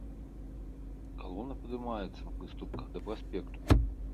Калона падымаецца па прыступках да праспекту.